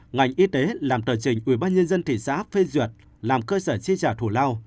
ngành y tế làm tờ trình ubnd thị xã phê duyệt làm cơ sở chi trả thù lao